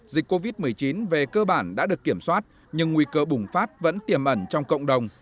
dịch covid một mươi chín về cơ bản đã được kiểm soát nhưng nguy cơ bùng phát vẫn tiềm ẩn trong cộng đồng